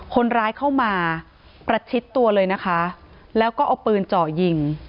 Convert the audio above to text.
คนร้ายเข้ามาประชิดตัวเลยนะคะแล้วก็เอาปืนเจาะยิง